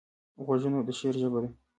غوږونه د شعر ژبه ده